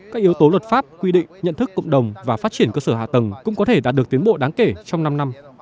các yếu tố luật pháp quy định nhận thức cộng đồng và phát triển cơ sở hạ tầng cũng có thể đạt được tiến bộ đáng kể trong năm năm